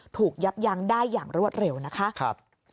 ยับยั้งได้อย่างรวดเร็วนะคะ